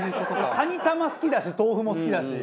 カニカマ好きだし豆腐も好きだし。